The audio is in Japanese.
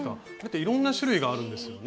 いろんな種類があるんですよね。